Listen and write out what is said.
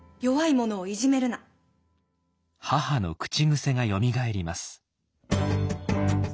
母の口癖がよみがえります。